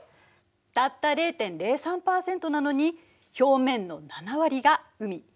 たった０．０３％なのに表面の７割が海。